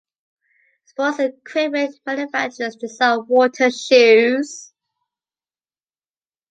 Sports equipment manufacturers design water shoes.